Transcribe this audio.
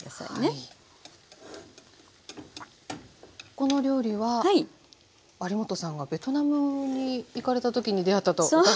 この料理は有元さんがベトナムに行かれた時に出合ったと伺いましたけれども。